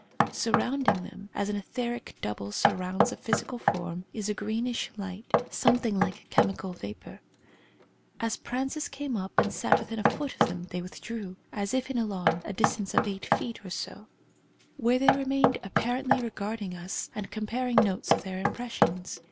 Surrounding them, as an etheric double surrounds a physical form, is a greenish light, something like chemi cal vapour. As Prances came up and sat within a foot of them they withdrew, as if in alarm, a distance of eight feet or so, where they remained apparently regarding us and comparing notes of their impressions.